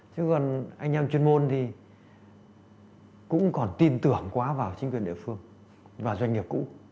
chứ còn anh em chuyên môn thì cũng còn tin tưởng quá vào chính quyền địa phương và doanh nghiệp cũ